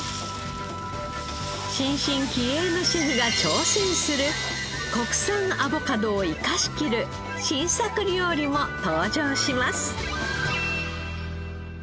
新進気鋭のシェフが挑戦する国産アボカドを生かしきる新作料理も登場します。